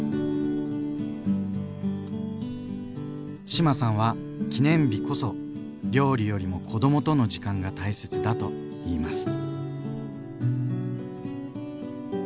志麻さんは記念日こそ料理よりも子どもとの時間が大切だと言います。